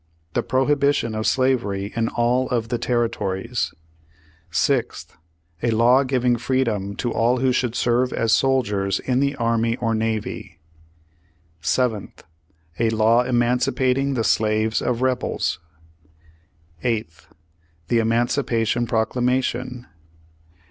The prohibition of slavery in all of the terri tories. Page One Hundred sixty fonr "Sixth. A law giving freedom to all who should serve as soldiers in the army or navy. "Seventh. A law emancipating the slaves of rebels. "Eighth. The Emancipation Proclamation.